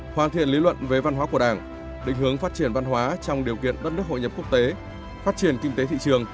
hoàn thiện lý luận về văn hóa của đảng định hướng phát triển văn hóa trong điều kiện đất nước hội nhập quốc tế phát triển kinh tế thị trường